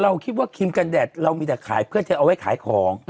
คิดว่าครีมกันแดดเรามีแต่ขายเพื่อจะเอาไว้ขายของ